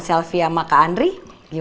soalnyayl anda harus hadir ih